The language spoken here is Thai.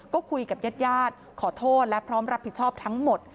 ก็คุยกับญาติญาติขอโทษและพร้อมรับผิดชอบทั้งหมด